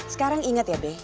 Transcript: sekarang inget ya be